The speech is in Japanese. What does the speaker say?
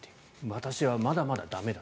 私はまだまだ駄目だ。